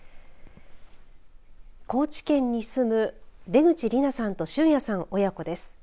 高知県に住む出口里奈さんと旬弥さん親子です。